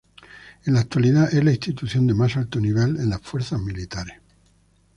En la actualidad es la Institución de más alto nivel en las Fuerzas Militares.